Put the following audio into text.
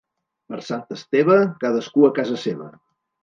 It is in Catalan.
Per Sant Esteve, cadascú a casa seva.